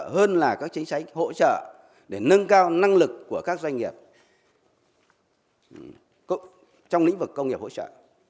hơn là các chính sách hỗ trợ để nâng cao năng lực của các doanh nghiệp trong lĩnh vực công nghiệp hỗ trợ